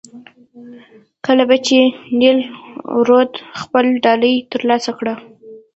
کله به چې نیل رود خپله ډالۍ ترلاسه کړه.